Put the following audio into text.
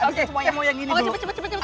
oke saya mau yang gini dulu cepet cepet cepet